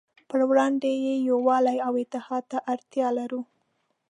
پروړاندې یې يووالي او اتحاد ته اړتیا لرو.